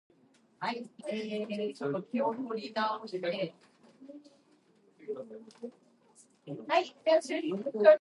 Pasithea is also the name of one of the Nereids.